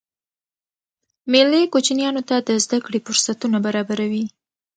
مېلې کوچنيانو ته د زدهکړي فرصتونه برابروي.